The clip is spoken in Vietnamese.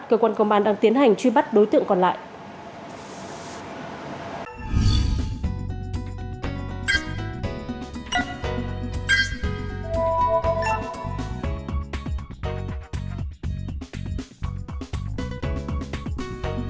cơ quan công an đang tiến hành truy bắt đối tượng còn lại